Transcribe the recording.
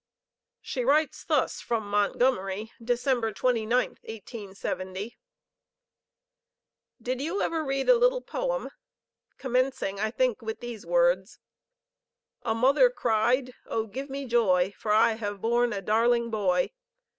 She writes thus from Montgomery, December 29th, 1870: "Did you ever read a little poem commencing, I think, with these words: A mother cried, Oh, give me joy, For I have born a darling boy!